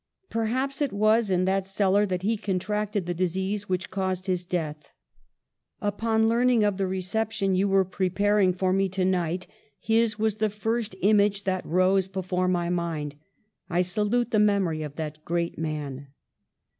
Perhaps it was in that cellar that he contracted the disease which caused his death. Upon learning of the re ception you were preparing for me tonight, his was the first image that rose before my mind. I salute the memory of that great man.